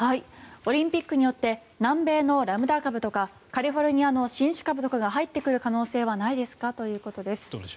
オリンピックによって南米のラムダ株とかカリフォルニアの新種株とかが入ってくる可能性はないですかということです。